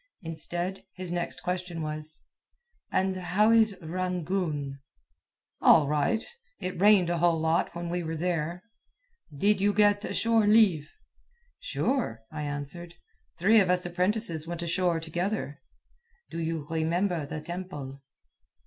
Instead, his next question was: "And how is Rangoon?" "All right. It rained a whole lot when we were there." "Did you get shore leave?" "Sure," I answered. "Three of us apprentices went ashore together." "Do you remember the temple?"